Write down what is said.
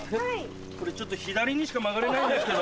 これちょっと左にしか曲がれないんですけど。